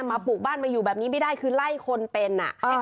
ปลูกบ้านมาอยู่แบบนี้ไม่ได้คือไล่คนเป็น